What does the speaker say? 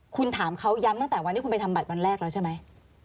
คุณถามเขาย้ำตั้งแต่วันที่คุณไปทำบัตรวันแรกแล้วใช่ไหม